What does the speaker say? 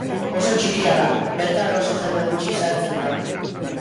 Oso txikia da, bertan oso jende gutxi sartzen zen.